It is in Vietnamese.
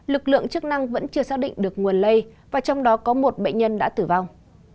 lực lượng chức năng vẫn chưa xác định được nguồn lây và trong đó có một bệnh nhân đã tử vong